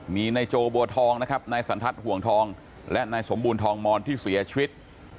มีนายโจบัวทองนะครับนายสันทัศน์ห่วงทองและนายสมบูรณทองมอนที่เสียชีวิต